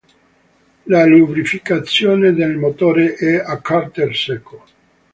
La lubrificazione del motore è a carter secco.